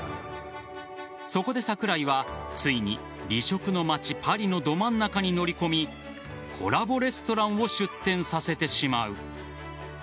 そこで桜井はついに美食の街・パリのど真ん中に乗り込みコラボレストランを出店させてしまう。